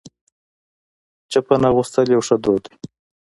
چپن اغوستل یو ښه دود دی.